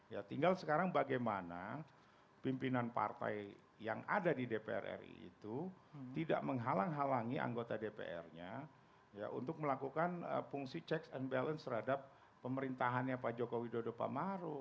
ya tinggal sekarang bagaimana pimpinan partai yang ada di dpr ri itu tidak menghalang halangi anggota dpr nya untuk melakukan fungsi checks and balance terhadap pemerintahannya pak joko widodo pak maru